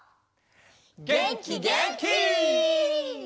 げんきげんき！